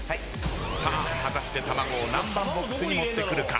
さあ果たしてたまごを何番ボックスに持ってくるか？